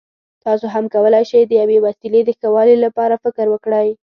تاسو هم کولای شئ د یوې وسیلې د ښه والي لپاره فکر وکړئ.